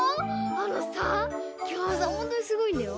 あのさきょうさほんとにすごいんだよ。